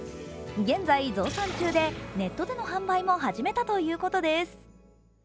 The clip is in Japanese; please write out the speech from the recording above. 現在、増産中で、ネットでの販売も始めたということです。